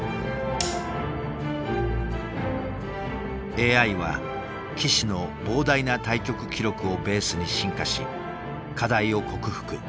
ＡＩは棋士の膨大な対局記録をベースに進化し課題を克服。